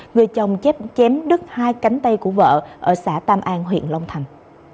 người chồng chết chém đứt hai cánh tay của vợ ở xã tam an huyện long thành